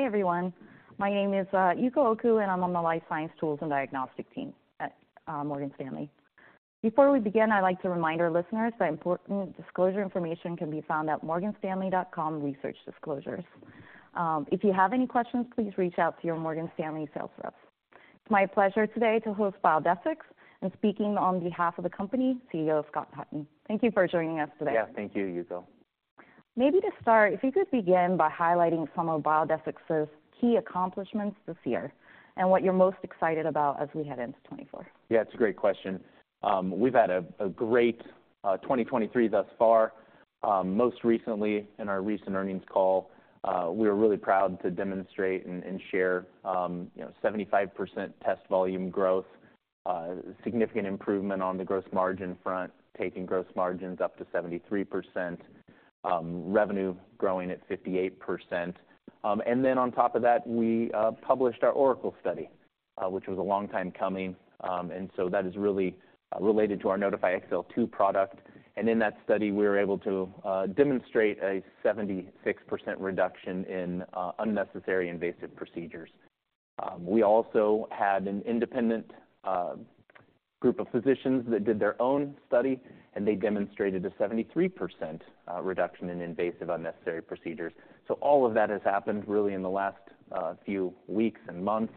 Hi, everyone. My name is Yuko Oku, and I'm on the Life Science Tools and Diagnostic team at Morgan Stanley. Before we begin, I'd like to remind our listeners that important disclosure information can be found at morganstanley.com/researchdisclosures. If you have any questions, please reach out to your Morgan Stanley sales rep. It's my pleasure today to host Biodesix, and speaking on behalf of the company, CEO Scott Hutton. Thank you for joining us today. Yeah, thank you, Yuko. Maybe to start, if you could begin by highlighting some of Biodesix's key accomplishments this year and what you're most excited about as we head into 2024. Yeah, it's a great question. We've had a great 2023 thus far. Most recently, in our recent earnings call, we were really proud to demonstrate and share, you know, 75% test volume growth, significant improvement on the gross margin front, taking gross margins up to 73%, revenue growing at 58%. And then on top of that, we published our ORACLE study, which was a long time coming, and so that is really related to our Nodify XL2 product. And in that study, we were able to demonstrate a 76% reduction in unnecessary invasive procedures. We also had an independent group of physicians that did their own study, and they demonstrated a 73% reduction in invasive, unnecessary procedures. So all of that has happened really in the last few weeks and months.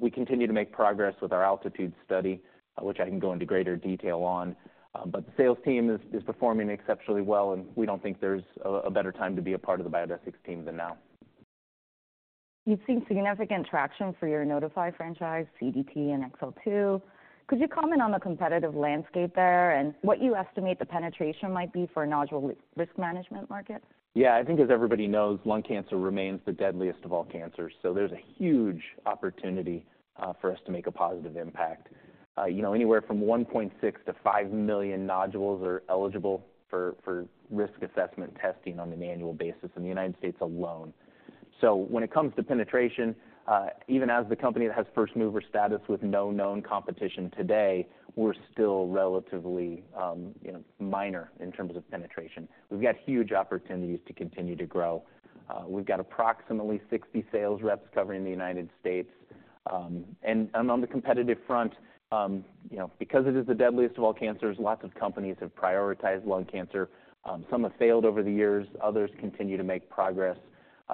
We continue to make progress with our ALTITUDE study, which I can go into greater detail on. But the sales team is, is performing exceptionally well, and we don't think there's a better time to be a part of the Biodesix team than now. You've seen significant traction for your Nodify franchise, CDT and XL2. Could you comment on the competitive landscape there and what you estimate the penetration might be for a nodule risk management market? Yeah, I think as everybody knows, lung cancer remains the deadliest of all cancers, so there's a huge opportunity for us to make a positive impact. You know, anywhere from 1.6-5 million nodules are eligible for risk assessment testing on an annual basis in the United States alone. So when it comes to penetration, even as the company that has first-mover status with no known competition today, we're still relatively, you know, minor in terms of penetration. We've got huge opportunities to continue to grow. We've got approximately 60 sales reps covering the United States. And on the competitive front, you know, because it is the deadliest of all cancers, lots of companies have prioritized lung cancer. Some have failed over the years, others continue to make progress.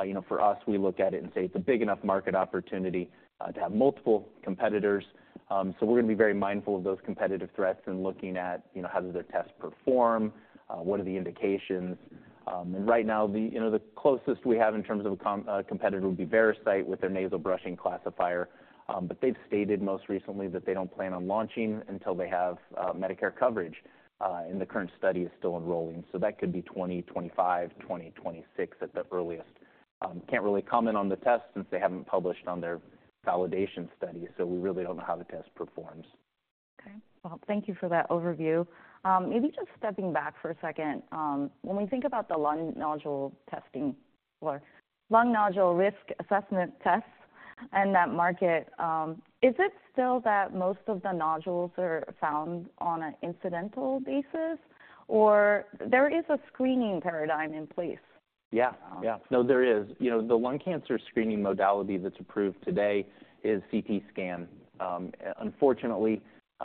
You know, for us, we look at it and say it's a big enough market opportunity to have multiple competitors. So we're going to be very mindful of those competitive threats and looking at, you know, how do their tests perform, what are the indications. And right now, the, you know, the closest we have in terms of a competitor would be Veracyte with their nasal brushing classifier. But they've stated most recently that they don't plan on launching until they have Medicare coverage, and the current study is still enrolling. So that could be 2025, 2026 at the earliest. Can't really comment on the test since they haven't published on their validation study, so we really don't know how the test performs. Okay. Well, thank you for that overview. Maybe just stepping back for a second, when we think about the lung nodule testing or lung nodule risk assessment tests and that market, is it still that most of the nodules are found on an incidental basis, or there is a screening paradigm in place? Yeah. Yeah. No, there is. You know, the lung cancer screening modality that's approved today is CT scan. Unfortunately,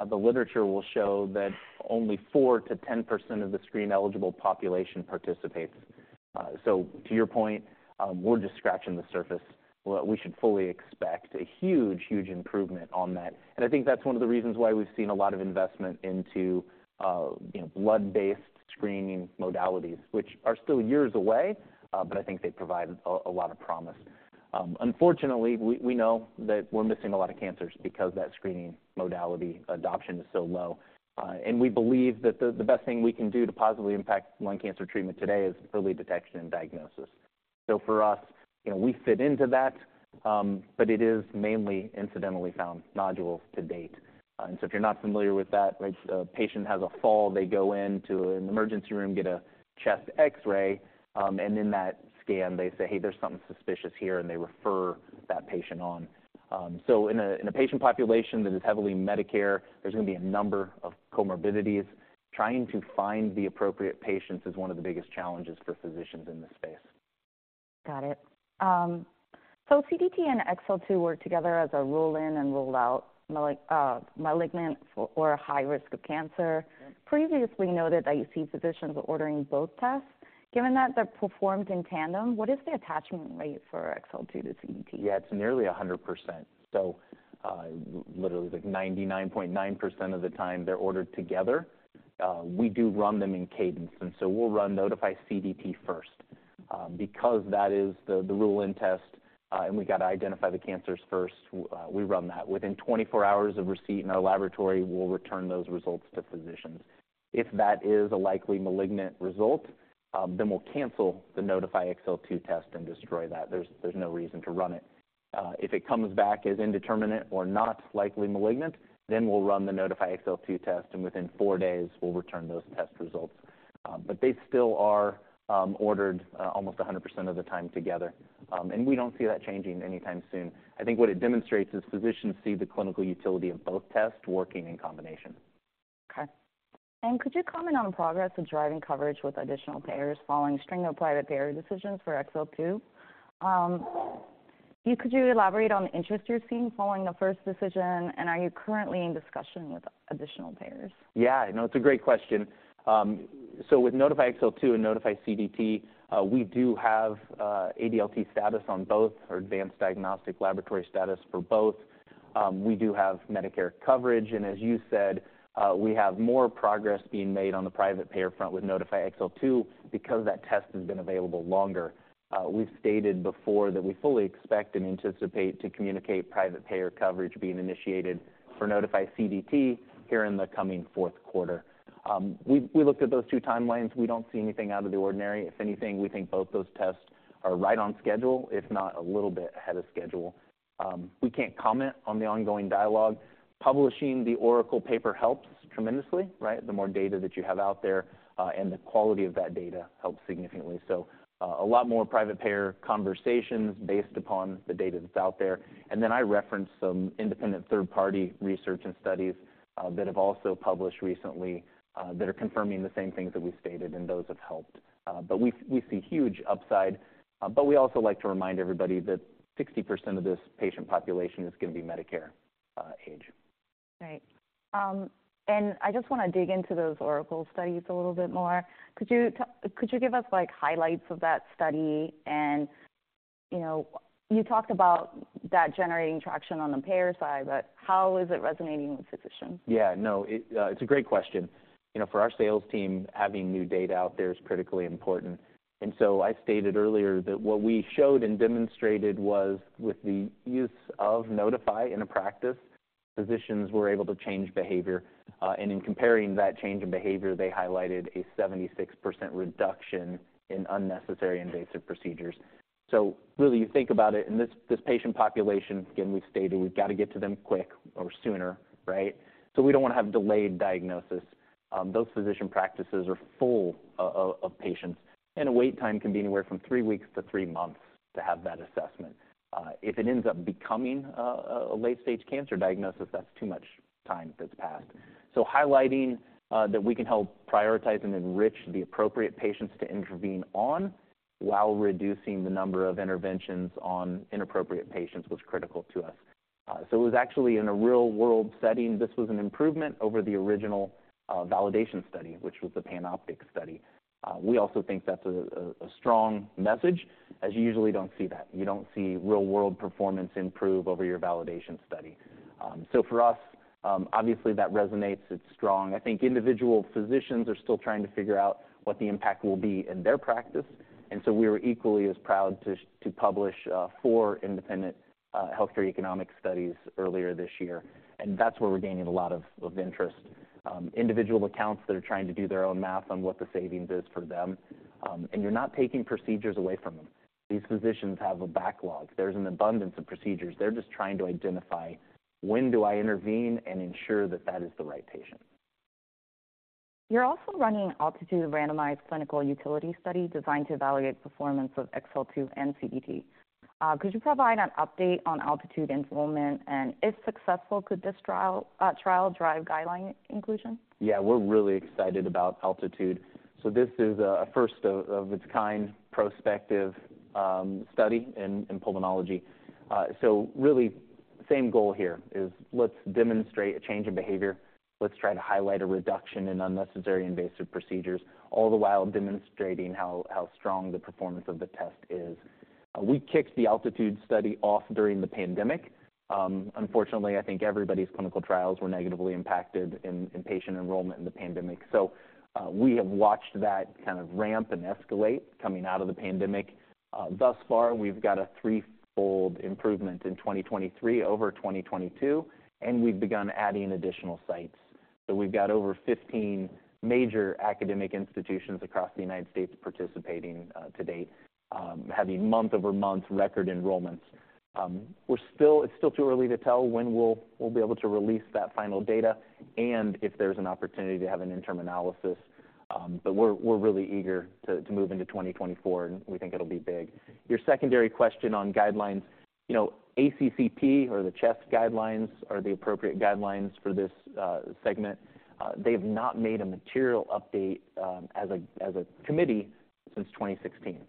the literature will show that only 4%-10% of the screen-eligible population participates. So to your point, we're just scratching the surface. We should fully expect a huge, huge improvement on that, and I think that's one of the reasons why we've seen a lot of investment into you know, blood-based screening modalities, which are still years away, but I think they provide a lot of promise. Unfortunately, we know that we're missing a lot of cancers because that screening modality adoption is so low. And we believe that the best thing we can do to positively impact lung cancer treatment today is early detection and diagnosis. So for us, you know, we fit into that, but it is mainly incidentally found nodules to date. So if you're not familiar with that, like, a patient has a fall, they go into an emergency room, get a chest X-ray, and in that scan, they say, "Hey, there's something suspicious here," and they refer that patient on. So in a patient population that is heavily Medicare, there's going to be a number of comorbidities. Trying to find the appropriate patients is one of the biggest challenges for physicians in this space. Got it. So CDT and XL2 work together as a rule in and rule out malignant or a high risk of cancer. Yeah. Previously noted that you see physicians ordering both tests. Given that they're performed in tandem, what is the attachment rate for XL2 to CDT? Yeah, it's nearly 100%. So, literally, like 99.9% of the time they're ordered together. We do run them in cadence, and so we'll run Nodify CDT first. Because that is the rule-in test, and we got to identify the cancers first, we run that. Within 24 hours of receipt in our laboratory, we'll return those results to physicians. If that is a likely malignant result, then we'll cancel the Nodify XL2 test and destroy that. There's no reason to run it. If it comes back as indeterminate or not likely malignant, then we'll run the Nodify XL2 test, and within four days, we'll return those test results. But they still are ordered almost 100% of the time together, and we don't see that changing anytime soon. I think what it demonstrates is physicians see the clinical utility of both tests working in combination.... Okay. And could you comment on the progress of driving coverage with additional payers following a string of private payer decisions for XL2? Could you elaborate on the interest you're seeing following the first decision, and are you currently in discussion with additional payers? Yeah, no, it's a great question. So with Nodify XL2 and Nodify CDT, we do have ADLT status on both, or advanced diagnostic laboratory status for both. We do have Medicare coverage, and as you said, we have more progress being made on the private payer front with Nodify XL2 because that test has been available longer. We've stated before that we fully expect and anticipate to communicate private payer coverage being initiated for Nodify CDT here in the coming Q4. We looked at those two timelines. We don't see anything out of the ordinary. If anything, we think both those tests are right on schedule, if not a little bit ahead of schedule. We can't comment on the ongoing dialogue. Publishing the ORACLE paper helps tremendously, right? The more data that you have out there, and the quality of that data helps significantly. So, a lot more private payer conversations based upon the data that's out there. And then I referenced some independent third-party research and studies, that have also published recently, that are confirming the same things that we've stated, and those have helped. But we, we see huge upside, but we also like to remind everybody that 60% of this patient population is going to be Medicare age. Right. I just want to dig into those ORACLE studies a little bit more. Could you give us, like, highlights of that study? And, you know, you talked about that generating traction on the payer side, but how is it resonating with physicians? Yeah, no, it, it's a great question. You know, for our sales team, having new data out there is critically important. And so I stated earlier that what we showed and demonstrated was with the use of Nodify in a practice, physicians were able to change behavior. And in comparing that change in behavior, they highlighted a 76% reduction in unnecessary invasive procedures. So really, you think about it, and this patient population, again, we've stated we've got to get to them quick or sooner, right? So we don't want to have delayed diagnosis. Those physician practices are full of patients, and a wait time can be anywhere from three weeks to three months to have that assessment. If it ends up becoming a late-stage cancer diagnosis, that's too much time that's passed. So highlighting that we can help prioritize and enrich the appropriate patients to intervene on, while reducing the number of interventions on inappropriate patients, was critical to us. So it was actually in a real-world setting. This was an improvement over the original validation study, which was the PANOPTIC study. We also think that's a strong message, as you usually don't see that. You don't see real-world performance improve over your validation study. So for us, obviously, that resonates. It's strong. I think individual physicians are still trying to figure out what the impact will be in their practice, and so we were equally as proud to publish four independent healthcare economic studies earlier this year, and that's where we're gaining a lot of interest. Individual accounts that are trying to do their own math on what the savings is for them, and you're not taking procedures away from them. These physicians have a backlog. There's an abundance of procedures. They're just trying to identify, "When do I intervene and ensure that that is the right patient? You're also running an ALTITUDE randomized clinical utility study designed to evaluate performance of XL2 and CDT. Could you provide an update on ALTITUDE enrollment, and if successful, could this trial drive guideline inclusion? Yeah, we're really excited about ALTITUDE. So this is a first of its kind prospective study in pulmonology. So really the same goal here is let's demonstrate a change in behavior. Let's try to highlight a reduction in unnecessary invasive procedures, all the while demonstrating how strong the performance of the test is. We kicked the ALTITUDE study off during the pandemic. Unfortunately, I think everybody's clinical trials were negatively impacted in patient enrollment in the pandemic. So we have watched that kind of ramp and escalate coming out of the pandemic. Thus far, we've got a threefold improvement in 2023 over 2022, and we've begun adding additional sites. So we've got over 15 major academic institutions across the United States participating to date, having month-over-month record enrollments. We're still—it's still too early to tell when we'll be able to release that final data and if there's an opportunity to have an interim analysis, but we're really eager to move into 2024, and we think it'll be big. Your secondary question on guidelines, you know, ACCP, or the CHEST guidelines, are the appropriate guidelines for this segment. They've not made a material update, as a committee since 2016.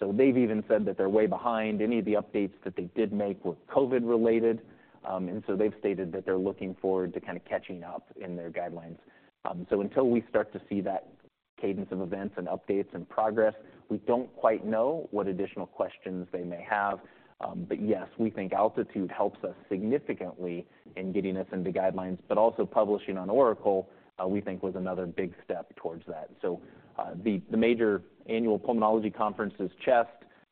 So they've even said that they're way behind. Any of the updates that they did make were COVID-related, and so they've stated that they're looking forward to kind of catching up in their guidelines. So until we start to see that cadence of events and updates and progress, we don't quite know what additional questions they may have. But yes, we think ALTITUDE helps us significantly in getting us into guidelines, but also publishing on ORACLE, we think was another big step towards that. So, the major annual pulmonology conference is CHEST.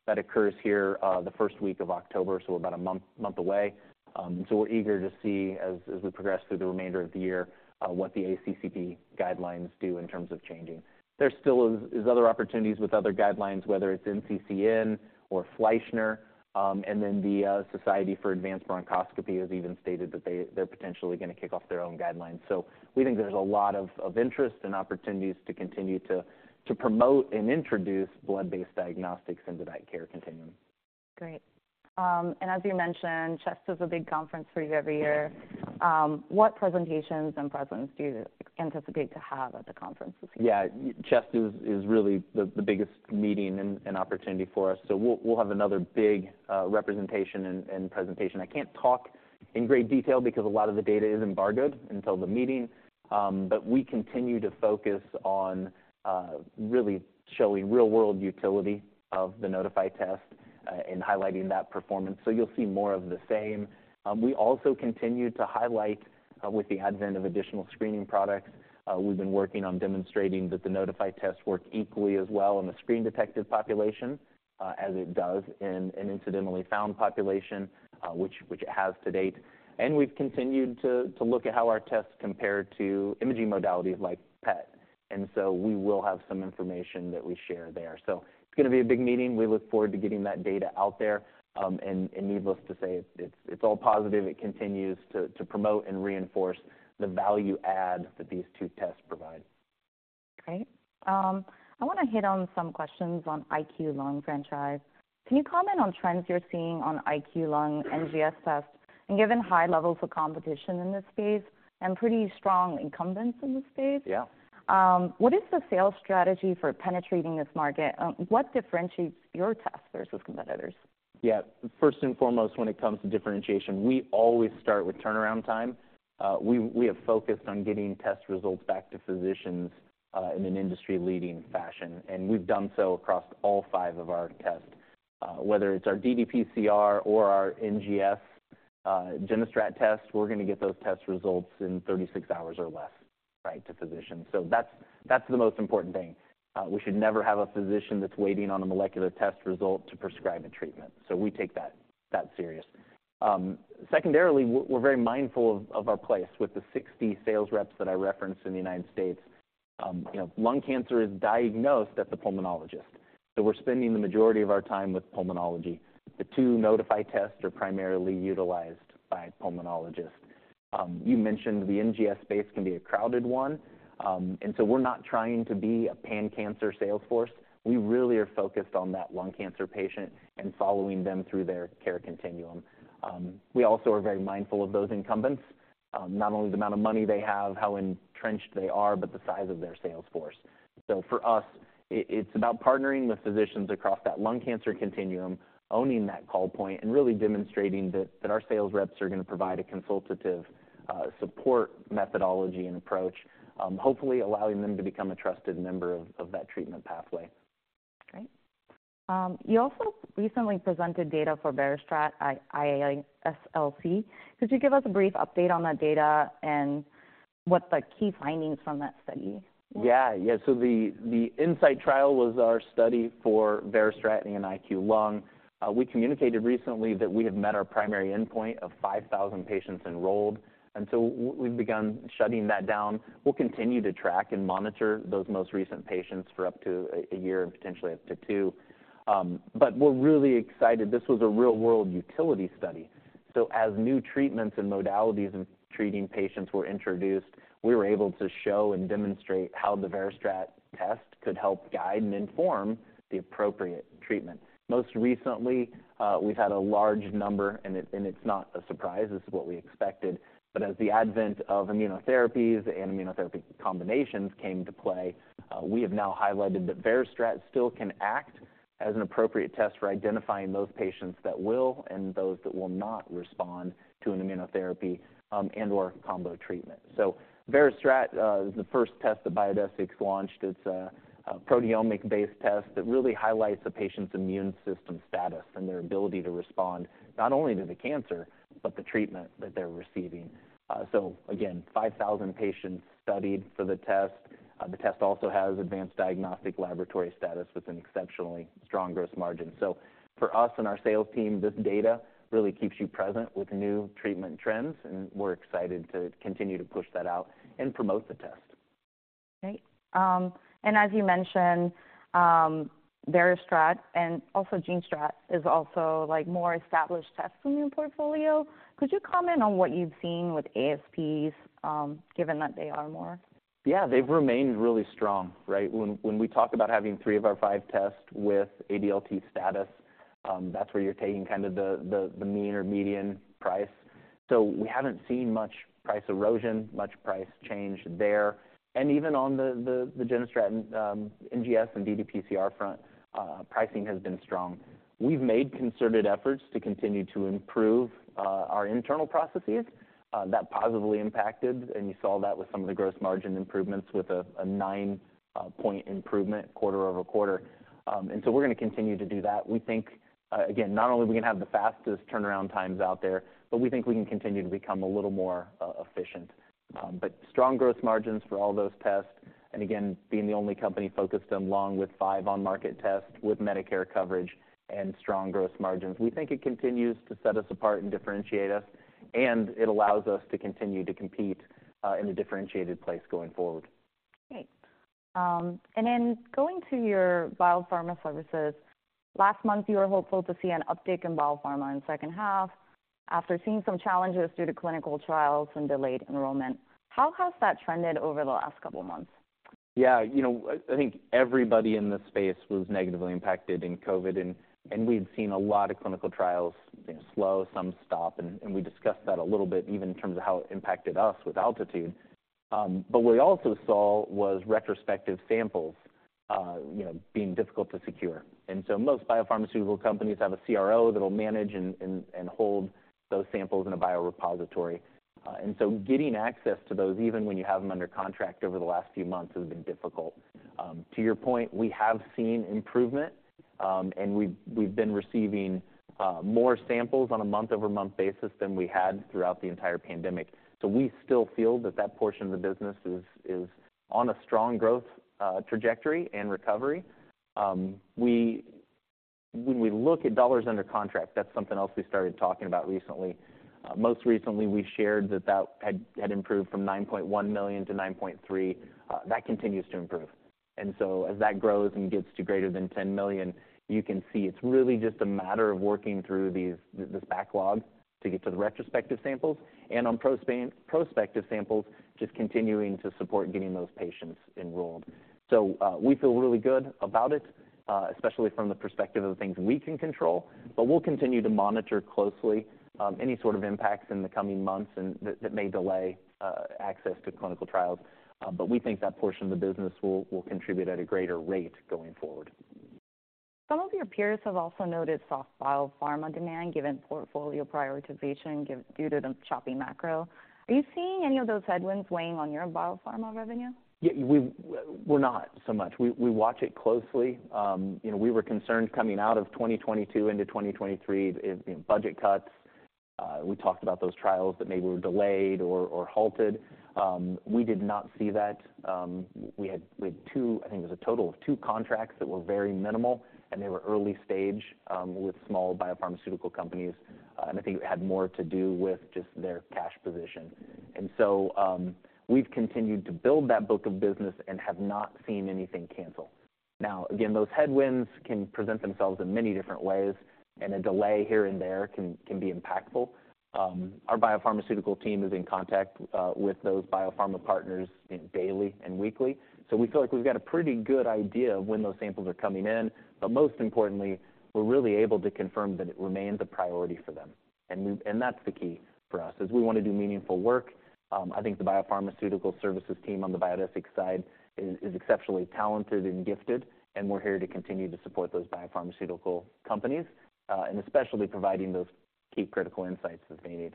That occurs here, the first week of October, so about a month away. So we're eager to see, as we progress through the remainder of the year, what the ACCP guidelines do in terms of changing. There still is other opportunities with other guidelines, whether it's NCCN or Fleischner, and then the Society for Advanced Bronchoscopy has even stated that they're potentially going to kick off their own guidelines. So we think there's a lot of interest and opportunities to continue to promote and introduce blood-based diagnostics into that care continuum.... Great. And as you mentioned, CHEST is a big conference for you every year. What presentations and presence do you anticipate to have at the conference this year? Yeah, CHEST is really the biggest meeting and opportunity for us. So we'll have another big representation and presentation. I can't talk in great detail because a lot of the data is embargoed until the meeting. But we continue to focus on really showing real-world utility of the Nodify test and highlighting that performance. So you'll see more of the same. We also continue to highlight, with the advent of additional screening products, we've been working on demonstrating that the Nodify tests work equally as well in the screen-detected population as it does in an incidentally found population, which it has to date. And we've continued to look at how our tests compare to imaging modalities like PET, and so we will have some information that we share there. So it's gonna be a big meeting. We look forward to getting that data out there. Needless to say, it's all positive. It continues to promote and reinforce the value add that these two tests provide. Great. I wanna hit on some questions on IQLung franchise. Can you comment on trends you're seeing on IQLung NGS tests? And given high levels of competition in this space and pretty strong incumbents in this space- Yeah. What is the sales strategy for penetrating this market? What differentiates your test versus competitors? Yeah. First and foremost, when it comes to differentiation, we always start with turnaround time. We have focused on getting test results back to physicians in an industry-leading fashion, and we've done so across all five of our tests. Whether it's our ddPCR or our NGS GeneStrat test, we're gonna get those test results in 36 hours or less, right, to physicians. So that's the most important thing. We should never have a physician that's waiting on a molecular test result to prescribe a treatment, so we take that serious. Secondarily, we're very mindful of our place with the 60 sales reps that I referenced in the United States. You know, lung cancer is diagnosed at the pulmonologist, so we're spending the majority of our time with pulmonology. The two Nodify tests are primarily utilized by pulmonologists. You mentioned the NGS space can be a crowded one, and so we're not trying to be a pan-cancer sales force. We really are focused on that lung cancer patient and following them through their care continuum. We also are very mindful of those incumbents, not only the amount of money they have, how entrenched they are, but the size of their sales force. So for us, it's about partnering with physicians across that lung cancer continuum, owning that call point, and really demonstrating that our sales reps are gonna provide a consultative support, methodology, and approach, hopefully allowing them to become a trusted member of that treatment pathway. Great. You also recently presented data for VeriStrat at IASLC. Could you give us a brief update on that data and what the key findings from that study were? Yeah. Yeah, so the INSIGHT trial was our study for VeriStrat and IQLung. We communicated recently that we have met our primary endpoint of 5,000 patients enrolled, and so we've begun shutting that down. We'll continue to track and monitor those most recent patients for up to a year and potentially up to two. But we're really excited. This was a real-world utility study, so as new treatments and modalities of treating patients were introduced, we were able to show and demonstrate how the VeriStrat test could help guide and inform the appropriate treatment. Most recently, we've had a large number, and it's not a surprise, this is what we expected, but as the advent of immunotherapies and immunotherapy combinations came into play, we have now highlighted that VeriStrat still can act as an appropriate test for identifying those patients that will and those that will not respond to an immunotherapy, and/or combo treatment. So VeriStrat is the first test that Biodesix has launched. It's a proteomic-based test that really highlights the patient's immune system status and their ability to respond, not only to the cancer, but the treatment that they're receiving. So again, 5,000 patients studied for the test. The test also has advanced diagnostic laboratory status with an exceptionally strong gross margin. So for us and our sales team, this data really keeps you present with new treatment trends, and we're excited to continue to push that out and promote the test. Great. And as you mentioned, VeriStrat and also GeneStrat is also, like, more established tests in your portfolio. Could you comment on what you've seen with ASPs, given that they are more? Yeah, they've remained really strong, right? When we talk about having 3 of our 5 tests with ADLT status, that's where you're taking kind of the mean or median price. So we haven't seen much price erosion, much price change there. And even on the GeneStrat NGS and ddPCR front, pricing has been strong. We've made concerted efforts to continue to improve our internal processes that positively impacted, and you saw that with some of the gross margin improvements with a 9-point improvement quarter-over-quarter. And so we're gonna continue to do that. We think again, not only are we gonna have the fastest turnaround times out there, but we think we can continue to become a little more efficient. But strong gross margins for all those tests, and again, being the only company focused on lung with five on-market tests with Medicare coverage and strong gross margins. We think it continues to set us apart and differentiate us, and it allows us to continue to compete in a differentiated place going forward. Great. And then going to your biopharma services, last month, you were hopeful to see an uptick in biopharma in second half after seeing some challenges due to clinical trials and delayed enrollment. How has that trended over the last couple of months?... Yeah, you know, I think everybody in this space was negatively impacted in COVID, and we'd seen a lot of clinical trials, you know, slow, some stop, and we discussed that a little bit, even in terms of how it impacted us with ALTITUDE. But what we also saw was retrospective samples, you know, being difficult to secure. And so most biopharmaceutical companies have a CRO that'll manage and hold those samples in a biorepository. So getting access to those, even when you have them under contract over the last few months, has been difficult. To your point, we have seen improvement, and we've been receiving more samples on a month-over-month basis than we had throughout the entire pandemic. So we still feel that that portion of the business is, is on a strong growth trajectory and recovery. When we look at dollars under contract, that's something else we started talking about recently. Most recently, we shared that that had improved from $9.1 million to $9.3 million. That continues to improve. And so as that grows and gets to greater than $10 million, you can see it's really just a matter of working through this backlog to get to the retrospective samples, and on prospective samples, just continuing to support getting those patients enrolled. So we feel really good about it, especially from the perspective of the things we can control, but we'll continue to monitor closely any sort of impacts in the coming months and that may delay access to clinical trials. But we think that portion of the business will contribute at a greater rate going forward. Some of your peers have also noted soft biopharma demand, given portfolio prioritization, due to the choppy macro. Are you seeing any of those headwinds weighing on your biopharma revenue? Yeah, we're not so much. We watch it closely. You know, we were concerned coming out of 2022 into 2023, you know, budget cuts. We talked about those trials that maybe were delayed or halted. We did not see that. We had two, I think it was a total of two contracts that were very minimal, and they were early stage, with small biopharmaceutical companies, and I think it had more to do with just their cash position. And so, we've continued to build that book of business and have not seen anything canceled. Now, again, those headwinds can present themselves in many different ways, and a delay here and there can be impactful. Our biopharmaceutical team is in contact with those biopharma partners daily and weekly, so we feel like we've got a pretty good idea of when those samples are coming in. But most importantly, we're really able to confirm that it remains a priority for them, and that's the key for us, is we want to do meaningful work. I think the biopharmaceutical services team on the Biodesix side is exceptionally talented and gifted, and we're here to continue to support those biopharmaceutical companies, and especially providing those key critical insights that they need.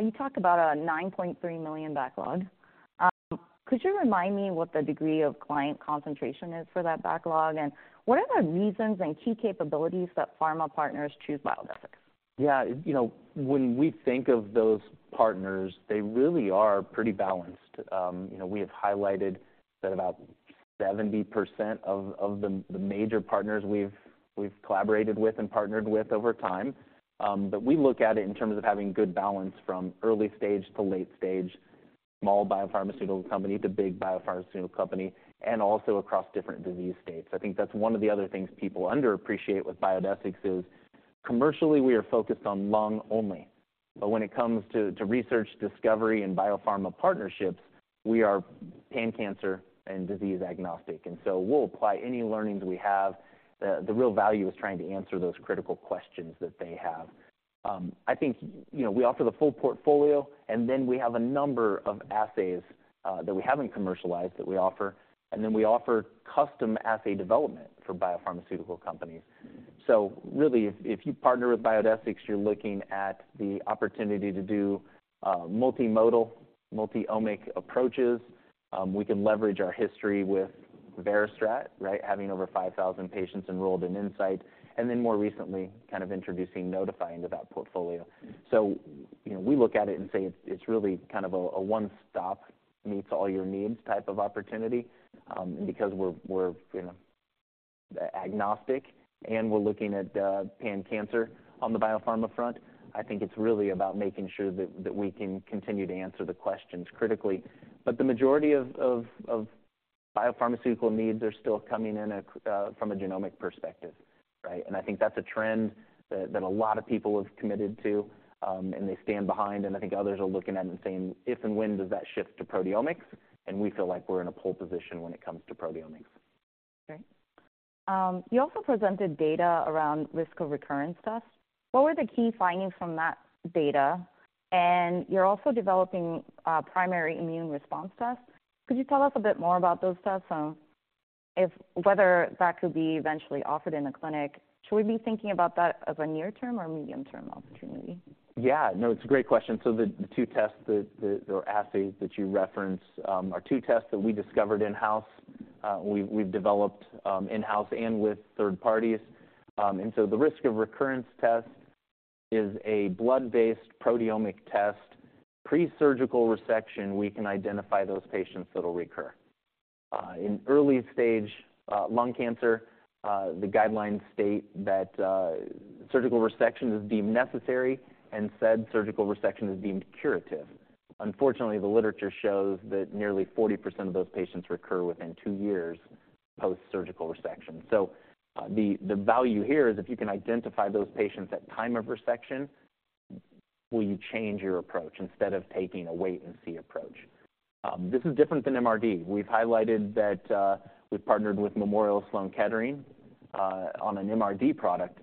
You talked about a $9.3 million backlog. Could you remind me what the degree of client concentration is for that backlog? And what are the reasons and key capabilities that pharma partners choose Biodesix? Yeah, you know, when we think of those partners, they really are pretty balanced. You know, we have highlighted that about 70% of the major partners we've collaborated with and partnered with over time. But we look at it in terms of having good balance from early stage to late stage, small biopharmaceutical company to big biopharmaceutical company, and also across different disease states. I think that's one of the other things people underappreciate with Biodesix is, commercially, we are focused on lung only, but when it comes to research, discovery, and biopharma partnerships, we are pan-cancer and disease agnostic. And so we'll apply any learnings we have. The real value is trying to answer those critical questions that they have. I think, you know, we offer the full portfolio, and then we have a number of assays that we haven't commercialized that we offer, and then we offer custom assay development for biopharmaceutical companies. So really, if you partner with Biodesix, you're looking at the opportunity to do multimodal, multi-omic approaches. We can leverage our history with VeriStrat, right? Having over 5,000 patients enrolled in INSIGHT, and then more recently, kind of introducing Nodify into that portfolio. So, you know, we look at it and say it's really kind of a one-stop, meets all your needs type of opportunity. And because we're, you know, agnostic and we're looking at pan-cancer on the biopharma front, I think it's really about making sure that we can continue to answer the questions critically. But the majority of biopharmaceutical needs are still coming in at, from a genomic perspective, right? And I think that's a trend that a lot of people have committed to, and they stand behind, and I think others are looking at it and saying, "If and when does that shift to proteomics?" And we feel like we're in a pole position when it comes to proteomics. Great. You also presented data around Risk of Recurrence tests. What were the key findings from that data? And you're also developing Primary Immune Response tests. Could you tell us a bit more about those tests and if whether that could be eventually offered in a clinic? Should we be thinking about that as a near-term or medium-term opportunity? Yeah. No, it's a great question. So the two tests, the or assays that you referenced, are two tests that we discovered in-house, we've developed in-house and with third parties. And so the Risk of Recurrence test is a blood-based proteomic test. Pre-surgical resection, we can identify those patients that'll recur. In early stage lung cancer, the guidelines state that surgical resection is deemed necessary and said surgical resection is deemed curative. Unfortunately, the literature shows that nearly 40% of those patients recur within two years post-surgical resection. So the value here is if you can identify those patients at time of resection. Will you change your approach instead of taking a wait and see approach? This is different than MRD. We've highlighted that we've partnered with Memorial Sloan Kettering on an MRD product.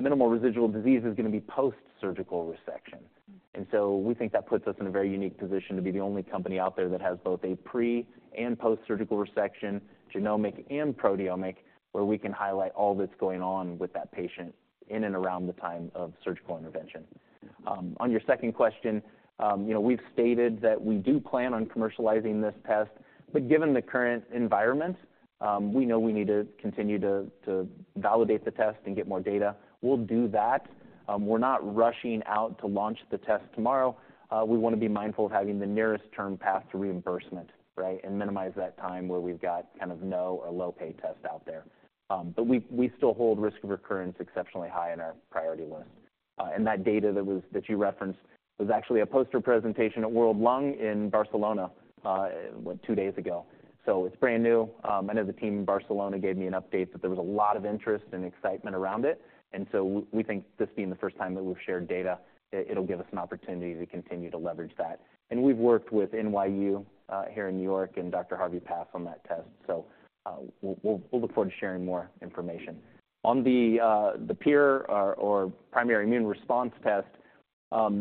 Minimal residual disease is gonna be post-surgical resection, and so we think that puts us in a very unique position to be the only company out there that has both a pre and post-surgical resection, genomic and proteomic, where we can highlight all that's going on with that patient in and around the time of surgical intervention. On your second question, you know, we've stated that we do plan on commercializing this test, but given the current environment, we know we need to continue to validate the test and get more data. We'll do that. We're not rushing out to launch the test tomorrow. We wanna be mindful of having the nearest term path to reimbursement, right? And minimize that time where we've got kind of no or low pay tests out there. But we still hold risk of recurrence exceptionally high in our priority list. And that data that you referenced was actually a poster presentation at World Lung in Barcelona, what, two days ago. So it's brand new. I know the team in Barcelona gave me an update that there was a lot of interest and excitement around it, and so we think this being the first time that we've shared data, it will give us an opportunity to continue to leverage that. And we've worked with NYU here in New York, and Dr. Harvey Pass on that test, so we'll look forward to sharing more information. On the PIR or primary immune response test,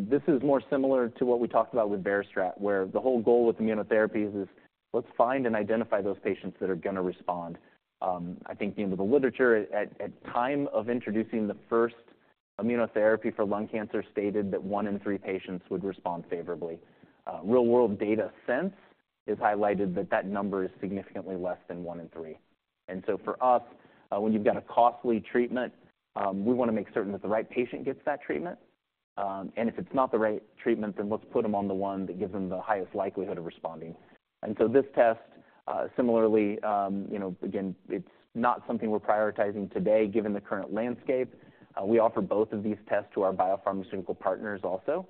this is more similar to what we talked about with VeriStrat, where the whole goal with immunotherapy is, let's find and identify those patients that are gonna respond. I think, you know, the literature at time of introducing the first immunotherapy for lung cancer, stated that one in three patients would respond favorably. Real world data since has highlighted that that number is significantly less than one in three. And so for us, when you've got a costly treatment, we wanna make certain that the right patient gets that treatment. And if it's not the right treatment, then let's put them on the one that gives them the highest likelihood of responding. And so this test, similarly, you know, again, it's not something we're prioritizing today, given the current landscape. We offer both of these tests to our biopharmaceutical partners also,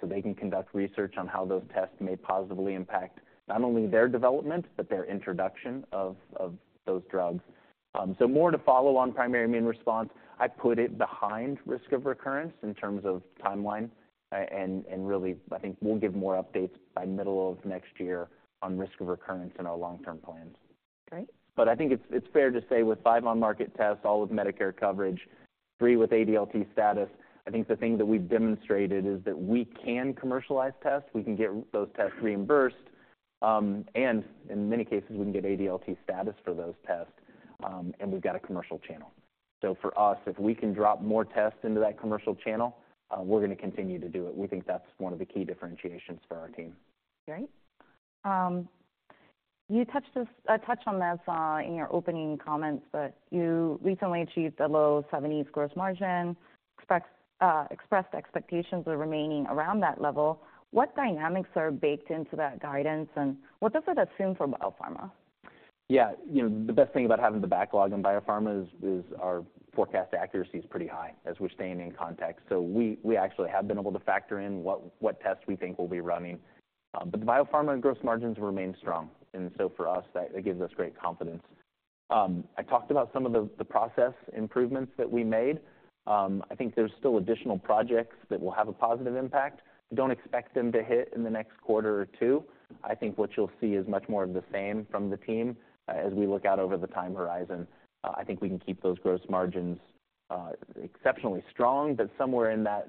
so they can conduct research on how those tests may positively impact not only their development, but their introduction of those drugs. So more to follow on primary immune response. I put it behind risk of recurrence in terms of timeline, and really, I think we'll give more updates by middle of next year on risk of recurrence in our long-term plans. Great. But I think it's fair to say, with 5 on-market tests, all with Medicare coverage, 3 with ADLT status, I think the thing that we've demonstrated is that we can commercialize tests, we can get those tests reimbursed, and in many cases, we can get ADLT status for those tests, and we've got a commercial channel. So for us, if we can drop more tests into that commercial channel, we're gonna continue to do it. We think that's one of the key differentiations for our team. Great. You touched on this in your opening comments, but you recently achieved a low 70s gross margin, expressed expectations of remaining around that level. What dynamics are baked into that guidance, and what does that assume for biopharma? Yeah, you know, the best thing about having the backlog in biopharma is our forecast accuracy is pretty high, as we're staying in context. So we actually have been able to factor in what tests we think we'll be running. But the biopharma gross margins remain strong, and so for us, that, it gives us great confidence. I talked about some of the process improvements that we made. I think there's still additional projects that will have a positive impact. We don't expect them to hit in the next quarter or two. I think what you'll see is much more of the same from the team, as we look out over the time horizon. I think we can keep those gross margins exceptionally strong, but somewhere in that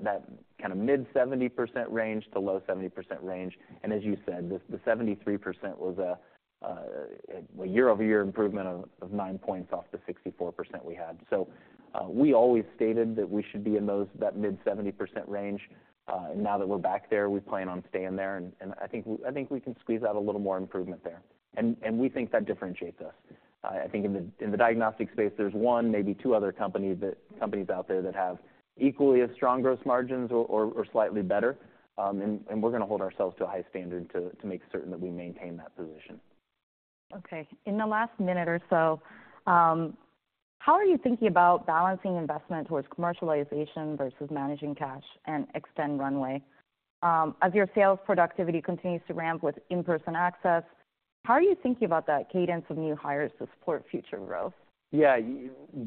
kind of mid-70% range to low-70% range. As you said, the 73% was a year-over-year improvement of 9 points off the 64% we had. So, we always stated that we should be in that mid 70% range. And now that we're back there, we plan on staying there, and I think we can squeeze out a little more improvement there. And we think that differentiates us. I think in the diagnostics space, there's one, maybe two other companies out there that have equally as strong gross margins or slightly better. And we're gonna hold ourselves to a high standard to make certain that we maintain that position. Okay. In the last minute or so, how are you thinking about balancing investment towards commercialization versus managing cash and extend runway? As your sales productivity continues to ramp with in-person access, how are you thinking about that cadence of new hires to support future growth? Yeah,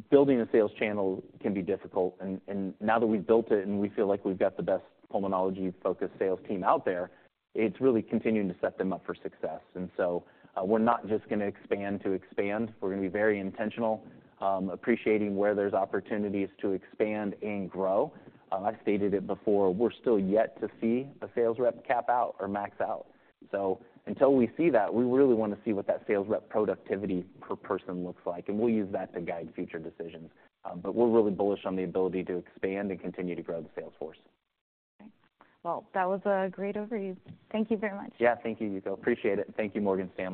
building a sales channel can be difficult, and now that we've built it, and we feel like we've got the best pulmonology-focused sales team out there, it's really continuing to set them up for success. And so, we're not just gonna expand to expand. We're gonna be very intentional, appreciating where there's opportunities to expand and grow. I've stated it before, we're still yet to see a sales rep cap out or max out. So until we see that, we really wanna see what that sales rep productivity per person looks like, and we'll use that to guide future decisions. But we're really bullish on the ability to expand and continue to grow the sales force. Okay. Well, that was a great overview. Thank you very much. Yeah. Thank you, Yuko. Appreciate it, and thank you, Morgan Stanley.